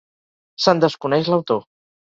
Se'n desconeix l'autor.